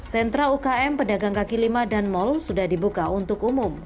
sentra ukm pedagang kaki lima dan mal sudah dibuka untuk umum